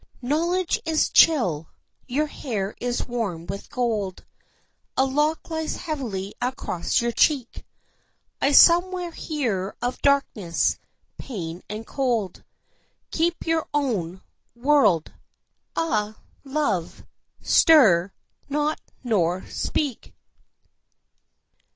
Knowledge is chill; your hair is warm with gold, A lock lies heavily across your cheek. I somewhere heard of darkness, pain, and cold Keep your own, world. Ah, Love, stir not nor speak.